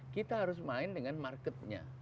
kita harus main dengan marketnya